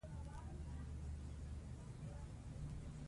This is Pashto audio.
د کارموندنې کلتور باید وده وکړي.